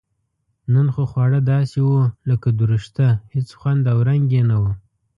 نن خو خواړه داسې و لکه دورسشته هېڅ خوند او رنګ یې نه و.